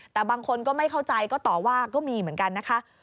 แต่บางคนก็ไม่เข้าใจก็ต่อว่าก็มีเหมือนกันนะคะ